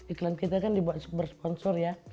iklan kita kan dibuat bersponsor ya